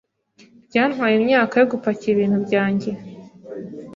Byantwaye imyaka yo gupakira ibintu byanjye.